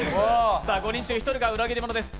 ５人中１人が裏切り者です。